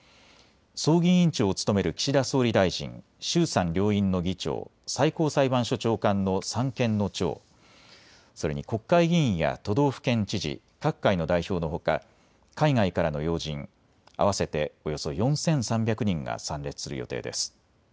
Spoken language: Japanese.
葬儀委員長を務める岸田総理大臣、衆・参両院の議長、最高裁判所長官の三権の長、それに国会議員や都道府県知事、各界の代表のほか海外からの要人、合わせておよそ４３００人が参列する予定です。